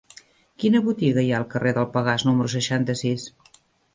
Quina botiga hi ha al carrer del Pegàs número seixanta-sis?